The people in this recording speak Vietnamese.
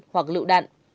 các lựu đạn